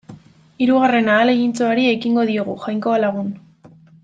Hirugarren ahalegintxoari ekingo diogu, Jainkoa lagun.